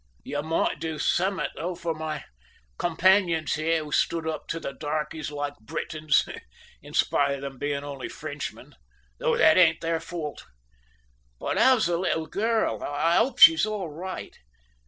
You might do summat, though, for my companions here, who stood up to the darkies like Britons, in spite of them being only Frenchmen, though that ain't their fault. But how's the little girl? I hope she's all right.